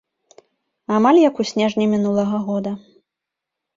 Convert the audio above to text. Амаль як у снежні мінулага года.